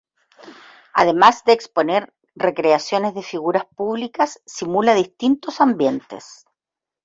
Además de exponer recreaciones de figuras públicas, simula distintos ambientes.